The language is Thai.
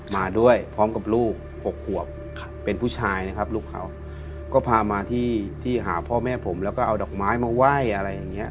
มาด้วยพร้อมกับลูกหกขวบเป็นผู้ชายนะครับลูกเขาก็พามาที่ที่หาพ่อแม่ผมแล้วก็เอาดอกไม้มาไหว้อะไรอย่างเงี้